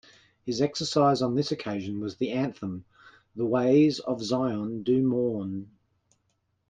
His exercise on this occasion was the anthem, 'The ways of Zion do mourn.